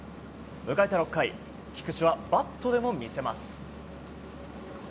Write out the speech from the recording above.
迎えた６回菊池はバットでも見せます。